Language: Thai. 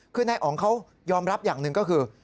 คือนายอ๋องเขายอมรับอย่างหนึ่งก็คือ